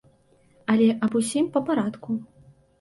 Але аб усім па парадку.